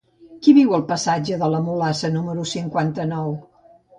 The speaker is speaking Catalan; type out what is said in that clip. Qui viu al passatge de la Mulassa número cinquanta-nou?